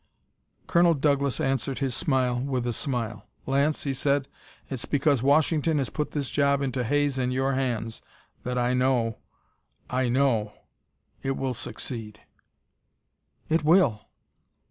Colonel Douglas answered his smile with a smile. "Lance," he said, "it's because Washington has put this job into Hay's and your hands that I know I know it will succeed." "It will!"